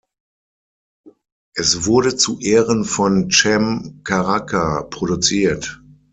Es wurde zu Ehren von Cem Karaca produziert.